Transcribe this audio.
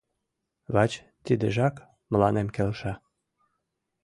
— Лач тидыжак мыланем келша.